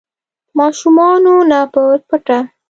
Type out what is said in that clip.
ماشومانو نه په پټه